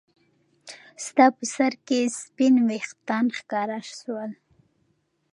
ستا په سر کې سپین ويښتان ښکاره شول.